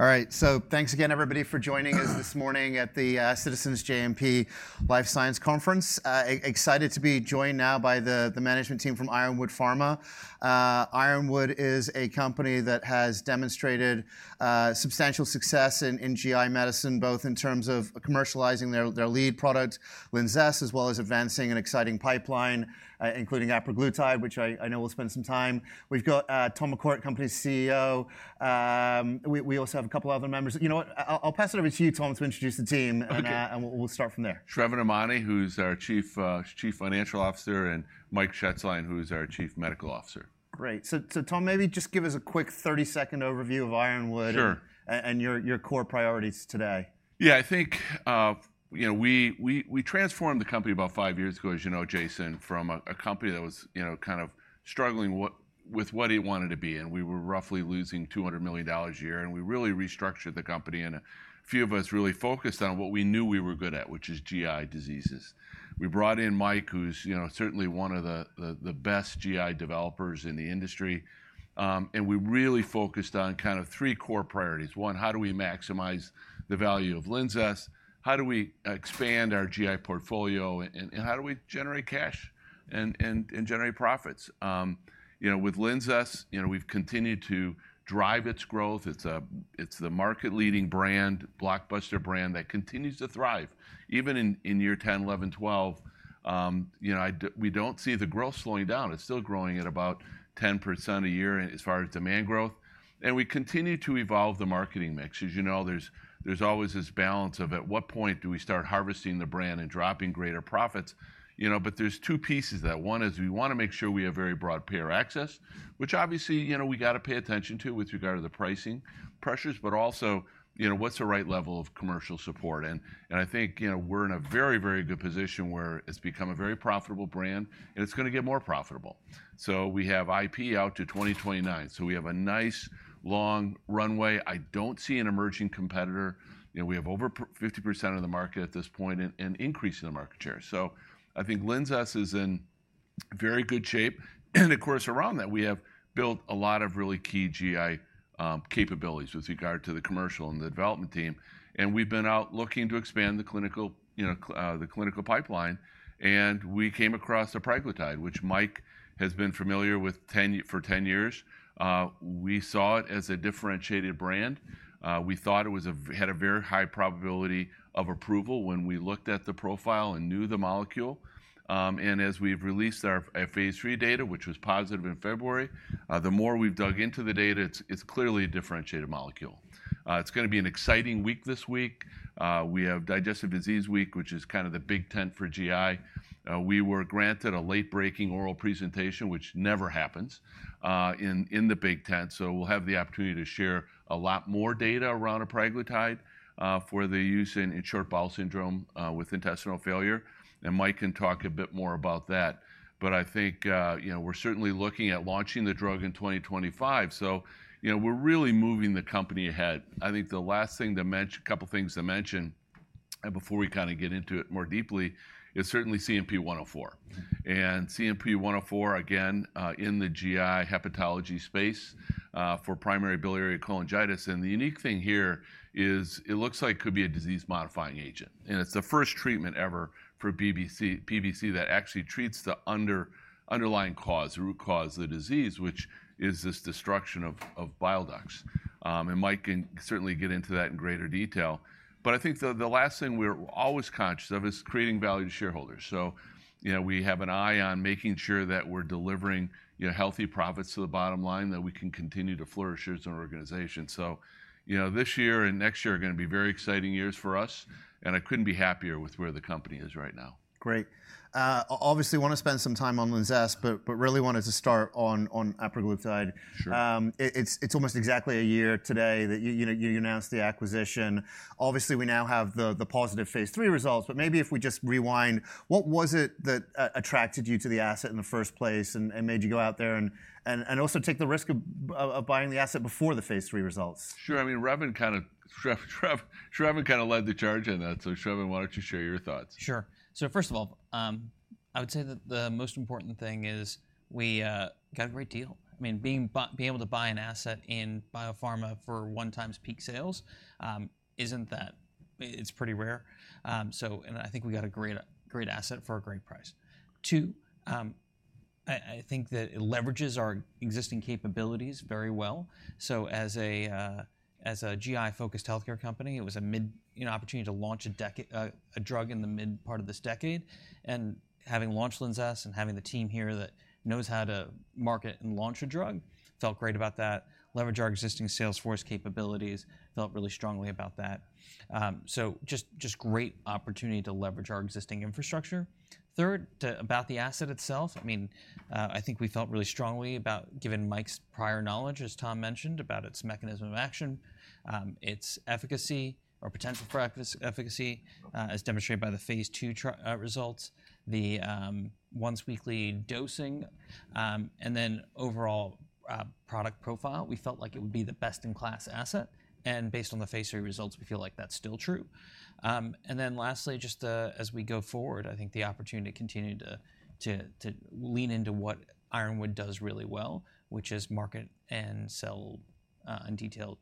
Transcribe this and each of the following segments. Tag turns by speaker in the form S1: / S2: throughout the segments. S1: All right. So thanks again, everybody, for joining us this morning at the Citizens JMP Life Science Conference. Excited to be joined now by the management team from Ironwood Pharmaceuticals. Ironwood is a company that has demonstrated substantial success in GI medicine, both in terms of commercializing their lead product, Linzess, as well as advancing an exciting pipeline, including apraglutide, which I know we'll spend some time. We've got Tom McCourt, Company CEO. We also have a couple of other members. You know what? I'll pass it over to you, Tom, to introduce the team, and we'll start from there.
S2: Sravan Emany, who's our Chief Financial Officer, and Mike Shetzline, who's our Chief Medical Officer.
S1: Great. So Tom, maybe just give us a quick 30-second overview of Ironwood and your core priorities today.
S2: Yeah. I think we transformed the company about five years ago, as you know, Jason, from a company that was kind of struggling with what it wanted to be. We were roughly losing $200 million a year. We really restructured the company. A few of us really focused on what we knew we were good at, which is GI diseases. We brought in Mike, who's certainly one of the best GI developers in the industry. We really focused on kind of three core priorities. One, how do we maximize the value of Linzess? How do we expand our GI portfolio? How do we generate cash and generate profits? With Linzess, we've continued to drive its growth. It's the market-leading brand, blockbuster brand that continues to thrive. Even in year 10, 11, 12, we don't see the growth slowing down. It's still growing at about 10% a year as far as demand growth. And we continue to evolve the marketing mix. As you know, there's always this balance of at what point do we start harvesting the brand and dropping greater profits? But there's two pieces to that. One is we want to make sure we have very broad payer access, which obviously we got to pay attention to with regard to the pricing pressures, but also what's the right level of commercial support. And I think we're in a very, very good position where it's become a very profitable brand, and it's going to get more profitable. So we have IP out to 2029. So we have a nice long runway. I don't see an emerging competitor. We have over 50% of the market at this point and an increase in the market share. So I think Linzess is in very good shape. And of course, around that, we have built a lot of really key GI capabilities with regard to the commercial and the development team. And we've been out looking to expand the clinical pipeline. And we came across apraglutide, which Mike has been familiar with for 10 years. We saw it as a differentiated brand. We thought it had a very high probability of approval when we looked at the profile and knew the molecule. And as we've released our phase three data, which was positive in February, the more we've dug into the data, it's clearly a differentiated molecule. It's going to be an exciting week this week. We have Digestive Disease Week, which is kind of the big tent for GI. We were granted a late-breaking oral presentation, which never happens, in the big tent. So we'll have the opportunity to share a lot more data around apraglutide for the use in short bowel syndrome with intestinal failure. Mike can talk a bit more about that. I think we're certainly looking at launching the drug in 2025. We're really moving the company ahead. I think the last thing to mention, a couple of things to mention before we kind of get into it more deeply, is certainly CNP-104. CNP-104, again, in the GI hepatology space for primary biliary cholangitis. The unique thing here is it looks like it could be a disease-modifying agent. It's the first treatment ever for PBC that actually treats the underlying cause, the root cause of the disease, which is this destruction of bile ducts. Mike can certainly get into that in greater detail. But I think the last thing we're always conscious of is creating value to shareholders. So we have an eye on making sure that we're delivering healthy profits to the bottom line, that we can continue to flourish as an organization. So this year and next year are going to be very exciting years for us. And I couldn't be happier with where the company is right now.
S1: Great. Obviously, want to spend some time on Linzess, but really wanted to start on apraglutide. It's almost exactly a year today that you announced the acquisition. Obviously, we now have the positive phase three results. But maybe if we just rewind, what was it that attracted you to the asset in the first place and made you go out there and also take the risk of buying the asset before the phase three results?
S2: Sure. I mean, Sravan kind of led the charge on that. So Sravan, why don't you share your thoughts?
S3: Sure. So first of all, I would say that the most important thing is we got a great deal. I mean, being able to buy an asset in biopharma for one-time peak sales, it's pretty rare. And I think we got a great asset for a great price. Two, I think that it leverages our existing capabilities very well. So as a GI-focused health care company, it was an opportunity to launch a drug in the mid part of this decade. And having launched Linzess and having the team here that knows how to market and launch a drug felt great about that, leveraged our existing sales force capabilities, felt really strongly about that. So just great opportunity to leverage our existing infrastructure. Third, about the asset itself, I mean, I think we felt really strongly about, given Mike's prior knowledge, as Tom mentioned, about its mechanism of action, its efficacy or potential for efficacy, as demonstrated by the phase two results, the once-weekly dosing, and then overall product profile, we felt like it would be the best-in-class asset. And based on the phase three results, we feel like that's still true. And then lastly, just as we go forward, I think the opportunity to continue to lean into what Ironwood does really well, which is market and sell in detail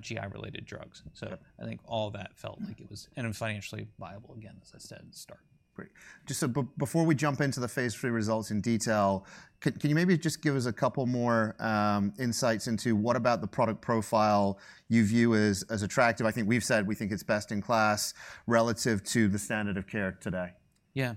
S3: GI-related drugs. So I think all of that felt like it was and financially viable, again, as I said, start.
S1: Great. So before we jump into the phase three results in detail, can you maybe just give us a couple more insights into what about the product profile you view as attractive? I think we've said we think it's best-in-class relative to the standard of care today.
S3: Yeah.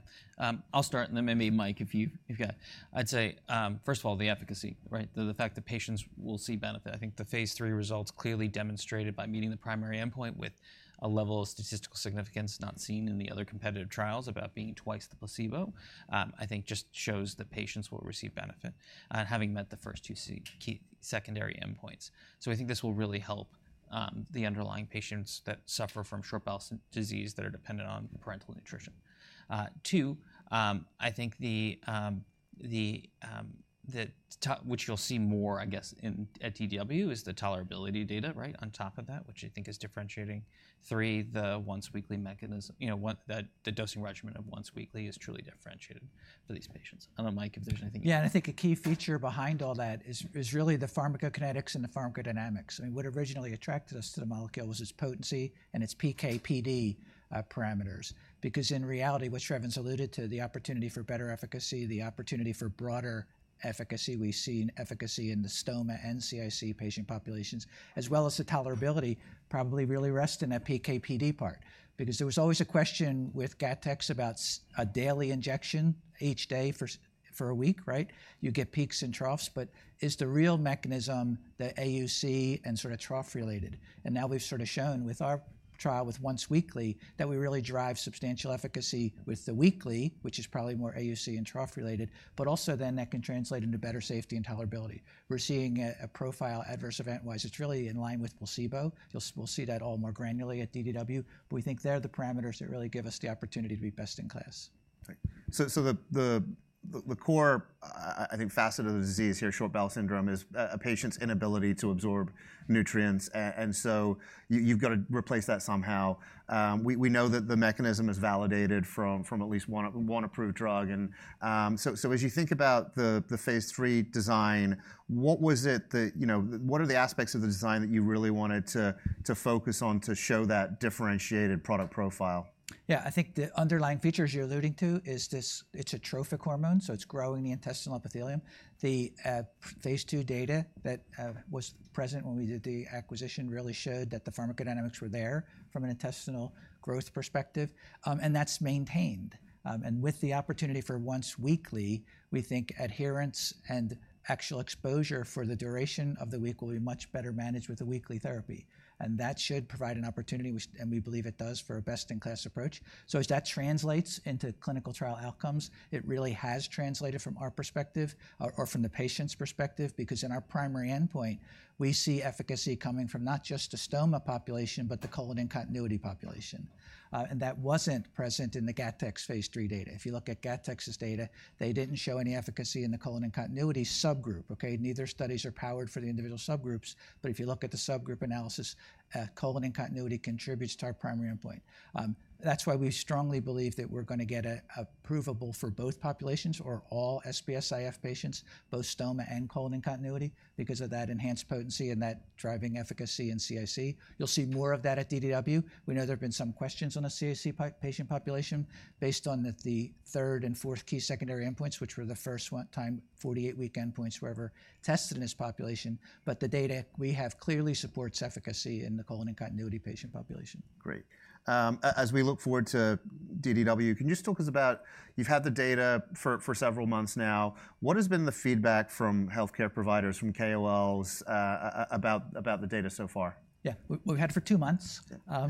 S3: I'll start. And then maybe, Mike, if you've got I'd say, first of all, the efficacy, the fact that patients will see benefit. I think the phase three results clearly demonstrated by meeting the primary endpoint with a level of statistical significance not seen in the other competitive trials about being twice the placebo, I think just shows that patients will receive benefit, having met the first two secondary endpoints. So I think this will really help the underlying patients that suffer from short bowel disease that are dependent on parenteral nutrition. Two, I think which you'll see more, I guess, at DDW is the tolerability data on top of that, which I think is differentiating. Three, the once-weekly mechanism, the dosing regimen of once weekly is truly differentiated for these patients. I don't know, Mike, if there's anything you want to add.
S4: Yeah. And I think a key feature behind all that is really the pharmacokinetics and the pharmacodynamics. I mean, what originally attracted us to the molecule was its potency and its PK/PD parameters. Because in reality, what Sravan's alluded to, the opportunity for better efficacy, the opportunity for broader efficacy, we've seen efficacy in the stoma and CIC patient populations, as well as the tolerability probably really rests in that PK/PD part. Because there was always a question with GATTEX about a daily injection each day for a week. You get peaks and troughs. But is the real mechanism the AUC and sort of trough-related? And now we've sort of shown with our trial, with once weekly, that we really drive substantial efficacy with the weekly, which is probably more AUC and trough-related, but also then that can translate into better safety and tolerability. We're seeing a profile adverse event-wise. It's really in line with placebo. We'll see that all more granularly at DDW. But we think they're the parameters that really give us the opportunity to be best in class.
S1: Right. So the core, I think, facet of the disease here, short bowel syndrome, is a patient's inability to absorb nutrients. And so you've got to replace that somehow. We know that the mechanism is validated from at least one approved drug. And so as you think about the phase three design, what are the aspects of the design that you really wanted to focus on to show that differentiated product profile?
S3: Yeah. I think the underlying features you're alluding to is it's trophic hormone. So it's growing the intestinal epithelium. The phase two data that was present when we did the acquisition really showed that the pharmacodynamics were there from an intestinal growth perspective. And that's maintained. And with the opportunity for once weekly, we think adherence and actual exposure for the duration of the week will be much better managed with the weekly therapy. And that should provide an opportunity, and we believe it does, for a best-in-class approach. So as that translates into clinical trial outcomes, it really has translated from our perspective or from the patient's perspective. Because in our primary endpoint, we see efficacy coming from not just the stoma population, but the colon-in-continuity population. And that wasn't present in the Gattex phase three data. If you look at Gattex's data, they didn't show any efficacy in the colon-in-continuity subgroup. Neither study is powered for the individual subgroups. But if you look at the subgroup analysis, colon-in-continuity contributes to our primary endpoint. That's why we strongly believe that we're going to get a label for both populations or all SBS-IF patients, both stoma and colon-in-continuity, because of that enhanced potency and that driving efficacy in CIC. You'll see more of that at DDW. We know there have been some questions on the CIC patient population based on the third and fourth key secondary endpoints, which were the first time 48-week endpoints were ever tested in this population. But the data we have clearly supports efficacy in the colon-in-continuity patient population.
S1: Great. As we look forward to TDW, can you just talk to us about you've had the data for several months now? What has been the feedback from health care providers, from KOLs, about the data so far?
S3: Yeah. We've had it for two months,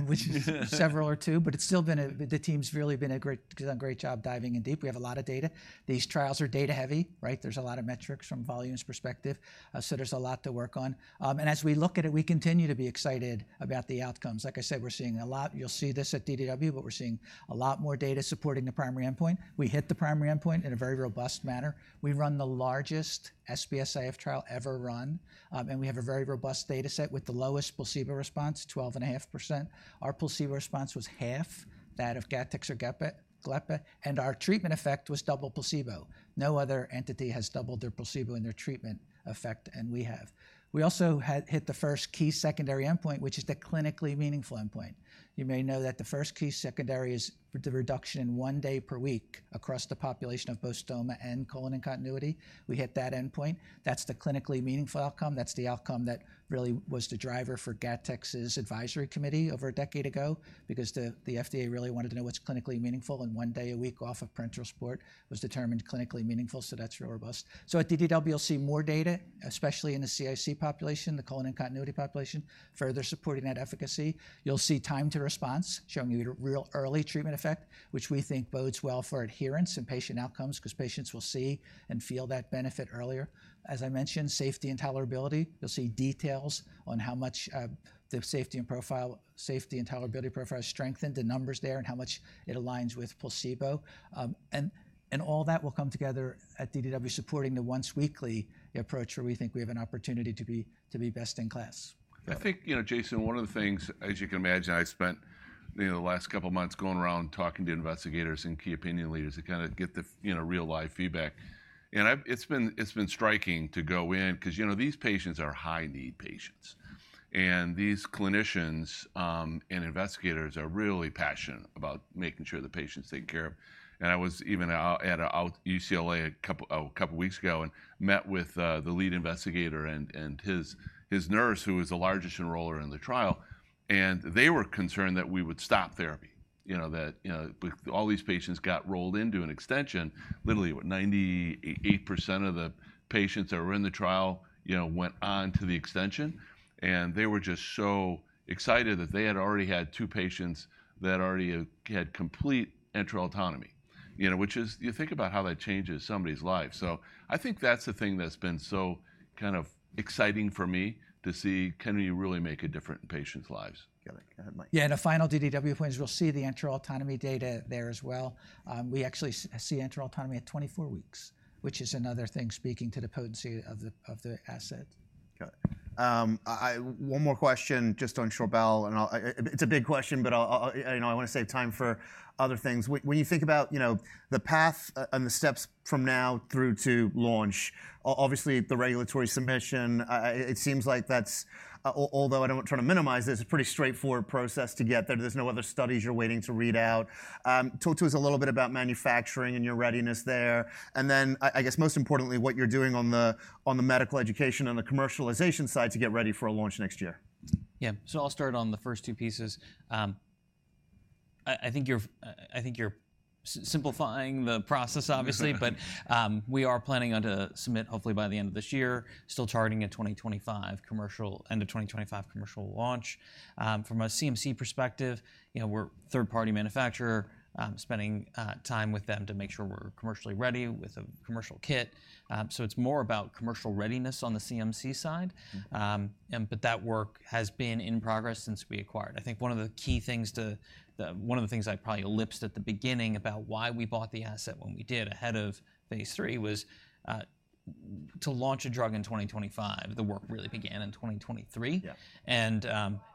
S3: which is several or two. But it's still been the team has really done a great job diving in deep. We have a lot of data. These trials are data heavy. There's a lot of metrics from volumes perspective. So there's a lot to work on. And as we look at it, we continue to be excited about the outcomes. Like I said, we're seeing a lot. You'll see this at DDW. But we're seeing a lot more data supporting the primary endpoint. We hit the primary endpoint in a very robust manner. We run the largest SBS-IF trial ever run. And we have a very robust data set with the lowest placebo response, 12.5%. Our placebo response was half that of Gattex or glepa. And our treatment effect was double placebo. No other entity has doubled their placebo in their treatment effect, and we have. We also hit the first key secondary endpoint, which is the clinically meaningful endpoint. You may know that the first key secondary is the reduction in one day per week across the population of both stoma and colon-in-continuity. We hit that endpoint. That's the clinically meaningful outcome. That's the outcome that really was the driver for Gattex's advisory committee over a decade ago. Because the FDA really wanted to know what's clinically meaningful. One day a week off of parenteral support was determined clinically meaningful. So that's real robust. So at DDW, you'll see more data, especially in the CIC population, the colon-in-continuity population, further supporting that efficacy. You'll see time to response showing you a real early treatment effect, which we think bodes well for adherence and patient outcomes. Because patients will see and feel that benefit earlier. As I mentioned, safety and tolerability. You'll see details on how much the safety and tolerability profile is strengthened, the numbers there, and how much it aligns with placebo. And all that will come together at DDW, supporting the once weekly approach where we think we have an opportunity to be best in class.
S2: I think, Jason, one of the things, as you can imagine, I spent the last couple of months going around talking to investigators and key opinion leaders to kind of get the real live feedback. It's been striking to go in. Because these patients are high-need patients. These clinicians and investigators are really passionate about making sure the patients are taken care of. I was even at UCLA a couple of weeks ago and met with the lead investigator and his nurse, who was the largest enroller in the trial. They were concerned that we would stop therapy, that all these patients got rolled into an extension. Literally, what, 98% of the patients that were in the trial went on to the extension. They were just so excited that they had already had two patients that already had complete enteral autonomy, which is, you think about how that changes somebody's life. So I think that's the thing that's been so kind of exciting for me to see, can we really make a difference in patients' lives?
S1: Got it. Yeah. And a final DDW point is we'll see the enteral autonomy data there as well. We actually see enteral autonomy at 24 weeks, which is another thing speaking to the potency of the asset. Got it. One more question just on short bowel. It's a big question. But I want to save time for other things. When you think about the path and the steps from now through to launch, obviously, the regulatory submission, it seems like that's although I don't want to try to minimize this, it's a pretty straightforward process to get there. There's no other studies you're waiting to read out. Talk to us a little bit about manufacturing and your readiness there. And then, I guess, most importantly, what you're doing on the medical education and the commercialization side to get ready for a launch next year.
S3: Yeah. So I'll start on the first two pieces. I think you're simplifying the process, obviously. But we are planning on to submit, hopefully, by the end of this year, still charting at 2025, end of 2025 commercial launch. From a CMC perspective, we're a third-party manufacturer, spending time with them to make sure we're commercially ready with a commercial kit. So it's more about commercial readiness on the CMC side. But that work has been in progress since we acquired. I think one of the key things to one of the things I probably ellipsed at the beginning about why we bought the asset when we did ahead of phase three was to launch a drug in 2025. The work really began in 2023.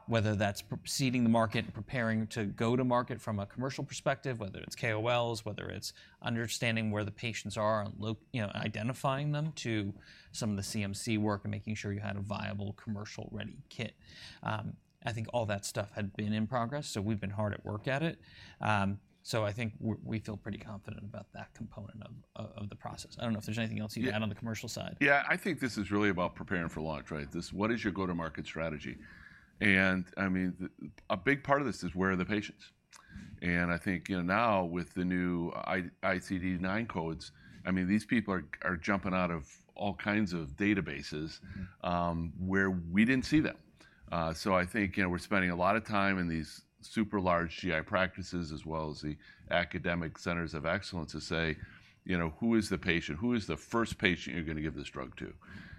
S3: Whether that's preceding the market and preparing to go to market from a commercial perspective, whether it's KOLs, whether it's understanding where the patients are and identifying them to some of the CMC work and making sure you had a viable commercial-ready kit, I think all that stuff had been in progress. So we've been hard at work at it. So I think we feel pretty confident about that component of the process. I don't know if there's anything else you'd add on the commercial side.
S4: Yeah. I think this is really about preparing for launch. What is your go-to-market strategy? And I mean, a big part of this is where are the patients? And I think now, with the new ICD-10 codes, I mean, these people are jumping out of all kinds of databases where we didn't see them. So I think we're spending a lot of time in these super large GI practices, as well as the academic centers of excellence, to say, who is the patient? Who is the first patient you're going to give this drug to?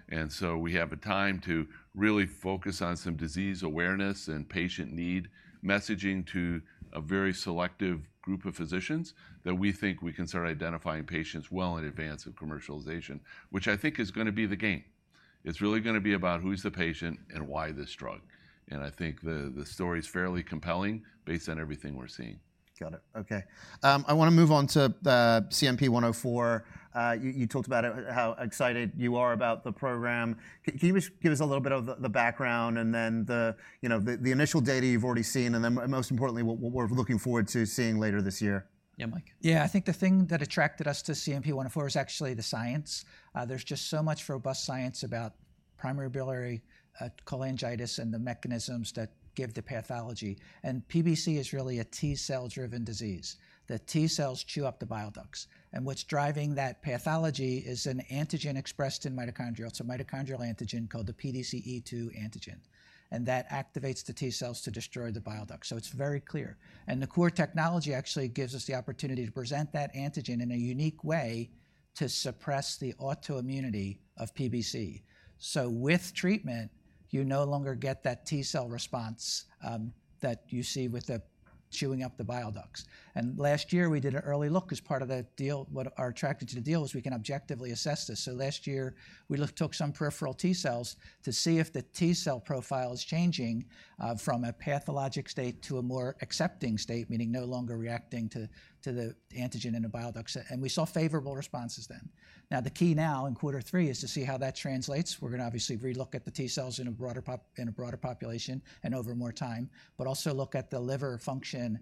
S4: And so we have a time to really focus on some disease awareness and patient need messaging to a very selective group of physicians that we think we can start identifying patients well in advance of commercialization, which I think is going to be the gain. It's really going to be about who's the patient and why this drug. I think the story is fairly compelling based on everything we're seeing.
S1: Got it. OK. I want to move on to CNP-104. You talked about how excited you are about the program. Can you just give us a little bit of the background and then the initial data you've already seen? And then, most importantly, what we're looking forward to seeing later this year?
S3: Yeah, Mike. Yeah. I think the thing that attracted us to CNP-104 is actually the science. There's just so much robust science about Primary Biliary Cholangitis and the mechanisms that give the pathology. And PBC is really a T-cell-driven disease. The T-cells chew up the bile ducts. And what's driving that pathology is an antigen expressed in mitochondria. It's a mitochondrial antigen called the PDC-E2 antigen. And that activates the T-cells to destroy the bile ducts. So it's very clear. And the core technology actually gives us the opportunity to present that antigen in a unique way to suppress the autoimmunity of PBC. So with treatment, you no longer get that T-cell response that you see with chewing up the bile ducts. And last year, we did an early look as part of that deal. What attracted you to the deal was we can objectively assess this. So last year, we took some peripheral T-cells to see if the T-cell profile is changing from a pathologic state to a more accepting state, meaning no longer reacting to the antigen in the bile ducts. And we saw favorable responses then. Now, the key now in quarter three is to see how that translates. We're going to obviously relook at the T-cells in a broader population and over more time, but also look at the liver function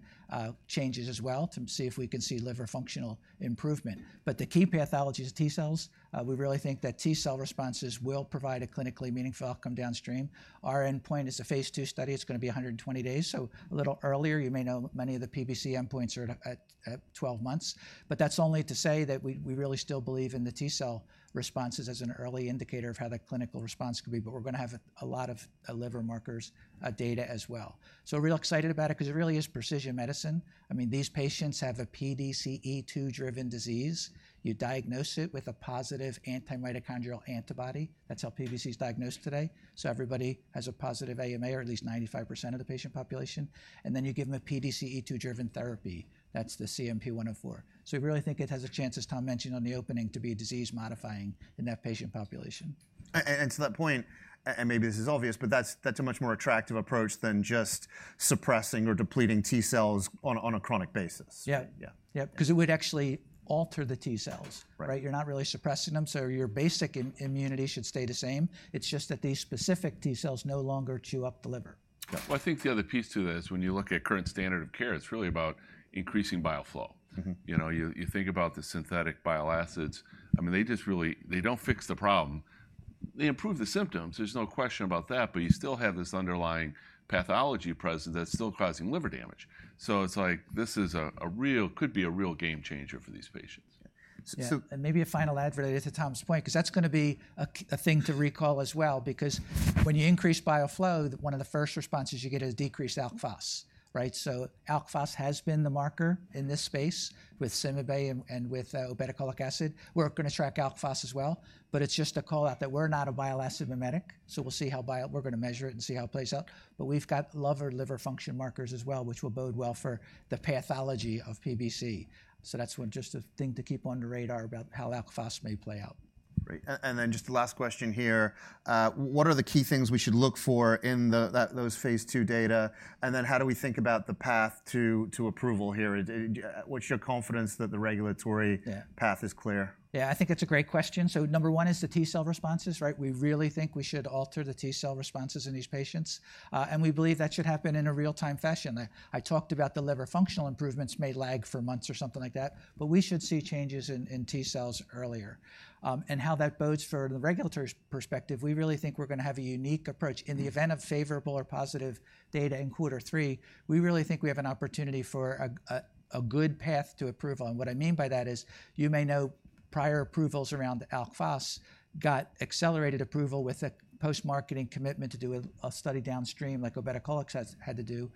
S3: changes as well to see if we can see liver functional improvement. But the key pathology is T-cells. We really think that T-cell responses will provide a clinically meaningful outcome downstream. Our endpoint is a phase two study. It's going to be 120 days. So a little earlier, you may know many of the PBC endpoints are at 12 months. But that's only to say that we really still believe in the T-cell responses as an early indicator of how the clinical response could be. But we're going to have a lot of liver markers data as well. So real excited about it because it really is precision medicine. I mean, these patients have a PDC-E2-driven disease. You diagnose it with a positive antimitochondrial antibody. That's how PBC is diagnosed today. So everybody has a positive AMA, or at least 95% of the patient population. And then you give them a PDC-E2-driven therapy. That's the CNP-104. So we really think it has a chance, as Tom mentioned on the opening, to be disease-modifying in that patient population.
S2: To that point, and maybe this is obvious, but that's a much more attractive approach than just suppressing or depleting T-cells on a chronic basis.
S3: Yeah. Yeah. Because it would actually alter the T-cells. You're not really suppressing them. So your basic immunity should stay the same. It's just that these specific T-cells no longer chew up the liver.
S2: Well, I think the other piece to that is when you look at current standard of care, it's really about increasing bile flow. You think about the synthetic bile acids. I mean, they just really don't fix the problem. They improve the symptoms. There's no question about that. But you still have this underlying pathology present that's still causing liver damage. So it's like this could be a real game changer for these patients.
S3: Yeah. And maybe a final adverse, to Tom's point, because that's going to be a thing to recall as well. Because when you increase bile flow, one of the first responses you get is decreased Alk Phos. So Alk Phos has been the marker in this space with CymaBay and with obeticholic acid. We're going to track Alk Phos as well. But it's just a call out that we're not a bile acid mimetic. So we'll see how we're going to measure it and see how it plays out. But we've got liver and liver function markers as well, which will bode well for the pathology of PBC. So that's just a thing to keep on the radar about how Alk Phos may play out.
S1: Great. And then just the last question here. What are the key things we should look for in those phase two data? And then how do we think about the path to approval here? What's your confidence that the regulatory path is clear?
S3: Yeah. I think it's a great question. So number one is the T-cell responses. We really think we should alter the T-cell responses in these patients. And we believe that should happen in a real-time fashion. I talked about the liver functional improvements may lag for months or something like that. But we should see changes in T-cells earlier. And how that bodes for the regulatory perspective, we really think we're going to have a unique approach. In the event of favorable or positive data in quarter three, we really think we have an opportunity for a good path to approval. And what I mean by that is you may know prior approvals around the Alk Phos got accelerated approval with a post-marketing commitment to do a study downstream, like obeticholic had to do,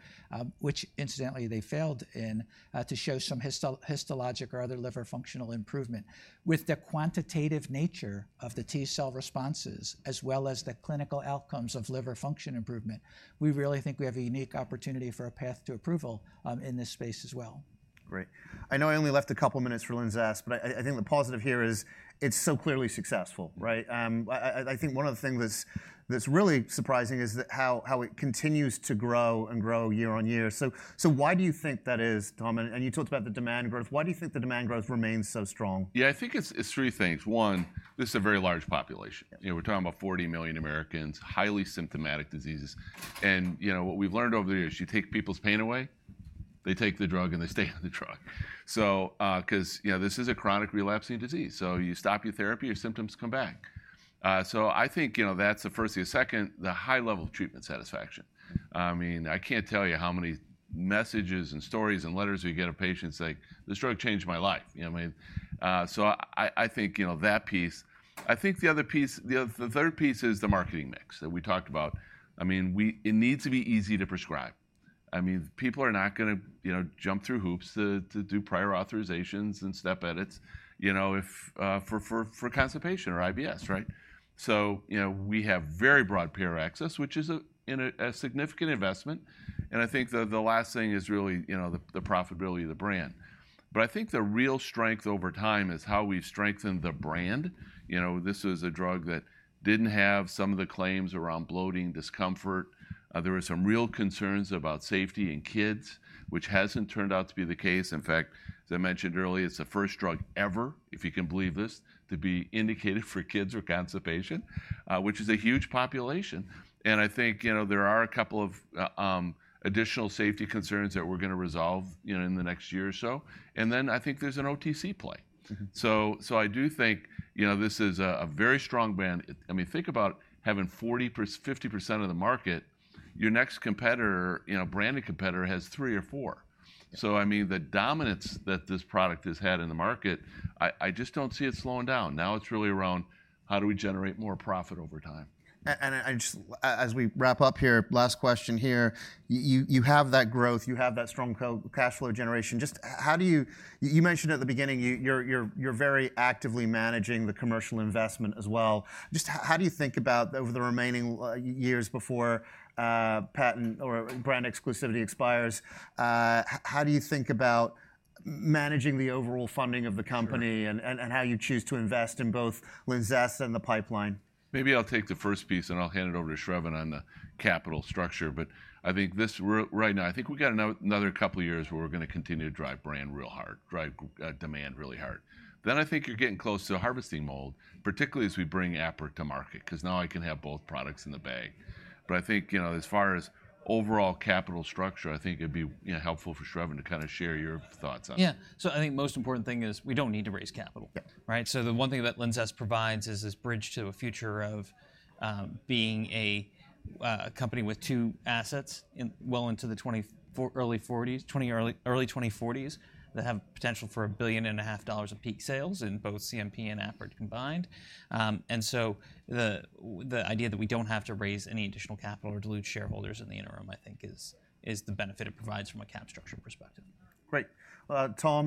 S3: which, incidentally, they failed in to show some histologic or other liver functional improvement. With the quantitative nature of the T-cell responses, as well as the clinical outcomes of liver function improvement, we really think we have a unique opportunity for a path to approval in this space as well.
S1: Great. I know I only left a couple of minutes for Linzess. But I think the positive here is it's so clearly successful. I think one of the things that's really surprising is how it continues to grow and grow year on year. So why do you think that is, Tom? And you talked about the demand growth. Why do you think the demand growth remains so strong? Yeah.
S2: I think it's three things. One, this is a very large population. We're talking about 40 million Americans, highly symptomatic diseases. And what we've learned over the years, you take people's pain away, they take the drug, and they stay on the drug. Because this is a chronic relapsing disease. So you stop your therapy, your symptoms come back. So I think that's the first. The second, the high level of treatment satisfaction. I mean, I can't tell you how many messages and stories and letters we get of patients saying, this drug changed my life. So I think that piece. I think the other piece, the third piece, is the marketing mix that we talked about. I mean, it needs to be easy to prescribe. I mean, people are not going to jump through hoops to do prior authorizations and step edits for constipation or IBS. So we have very broad payer access, which is a significant investment. And I think the last thing is really the profitability of the brand. But I think the real strength over time is how we've strengthened the brand. This was a drug that didn't have some of the claims around bloating, discomfort. There were some real concerns about safety in kids, which hasn't turned out to be the case. In fact, as I mentioned earlier, it's the first drug ever, if you can believe this, to be indicated for kids or constipation, which is a huge population. And I think there are a couple of additional safety concerns that we're going to resolve in the next year or so. And then I think there's an OTC play. So I do think this is a very strong brand. I mean, think about having 50% of the market. Your next competitor, branded competitor, has three or four. So I mean, the dominance that this product has had in the market, I just don't see it slowing down. Now it's really around how do we generate more profit over time.
S1: As we wrap up here, last question here. You have that growth. You have that strong cash flow generation. Just how do you mentioned at the beginning, you're very actively managing the commercial investment as well. Just how do you think about over the remaining years before patent or brand exclusivity expires? How do you think about managing the overall funding of the company and how you choose to invest in both Linzess asset and the pipeline?
S2: Maybe I'll take the first piece, and I'll hand it over to Sravan on the capital structure. But I think right now, I think we've got another couple of years where we're going to continue to drive brand really hard, drive demand really hard. Then I think you're getting close to harvesting mode, particularly as we bring apraglutide to market, because now I can have both products in the bag. But I think as far as overall capital structure, I think it'd be helpful for Sravan to kind of share your thoughts on that.
S3: Yeah. So I think the most important thing is we don't need to raise capital. So the one thing that Linzess asset provides is this bridge to a future of being a company with two assets well into the early '40s, early 2040s, that have potential for $1.5 billion in peak sales in both CNP and apraglutide combined. And so the idea that we don't have to raise any additional capital or dilute shareholders in the interim, I think, is the benefit it provides from a cap structure perspective.
S1: Great. Tom.